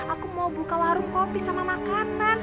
aku mau buka warung kopi sama makanan